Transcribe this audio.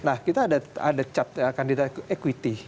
nah kita ada cat ya candidate equity